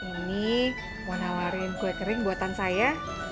ini mau nawarin kue kering buatan saya